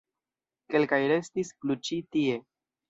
Kelkaj restis plu ĉi tie.